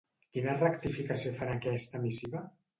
Quina rectificació fa en aquesta missiva?